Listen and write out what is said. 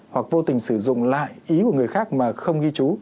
hoặc vô tình sử dụng lại ý của người khác mà không ghi chú